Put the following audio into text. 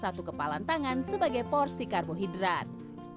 satu kepalan tangan sebagai porsi karbohidrat